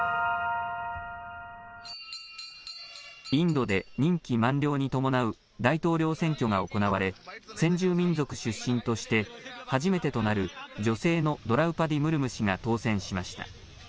インドで任期満了に伴う大統領選挙が行われ、先住民族出身として初めてとなる女性のドラウパディ・ムルム氏が当選しました。